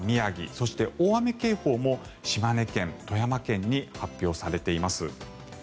そして大雨警報も島根県、富山県に発表されています。